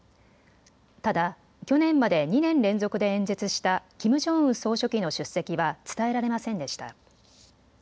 ただ、去年まで２年連続で演説したキム・ジョンウン総書記の出席は伝えられませんでした。